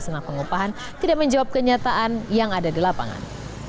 senah pengupahan tidak menjawab kenyataan yang ada di lapangan